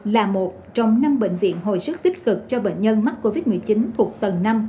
là một trong năm bệnh viện hồi sức tích cực cho bệnh nhân mắc covid một mươi chín thuộc tầng năm